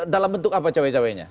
dalam bentuk apa cawe cawe nya